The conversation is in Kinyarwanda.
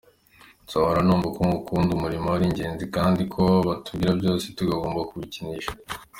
Nzahora numva ko gukunda umurimo ari ingenzi kandi ko ibyo batubwira byose tutagomba kubikinisha.